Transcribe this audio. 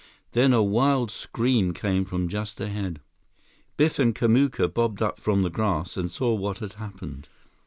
Then a wild scream came from just ahead. Biff and Kamuka bobbed up from the grass and saw what had happened.